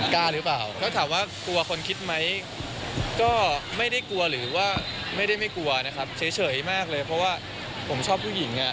หรือเปล่าถ้าถามว่ากลัวคนคิดไหมก็ไม่ได้กลัวหรือว่าไม่ได้ไม่กลัวนะครับเฉยมากเลยเพราะว่าผมชอบผู้หญิงอ่ะ